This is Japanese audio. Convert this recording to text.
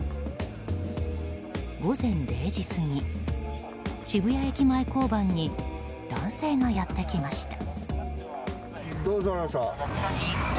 午前０時過ぎ、渋谷駅前交番に男性がやってきました。